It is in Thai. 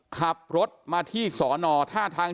ขับรถมาที่สอนอท่าทาง